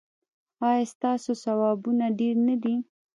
ایا ستاسو ثوابونه ډیر نه دي؟